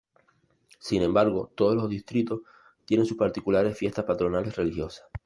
Sin embargo todos los distritos tienen sus particulares Fiestas Patronales religiosas.